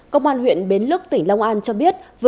công an huyện bến lước tỉnh long an cho biết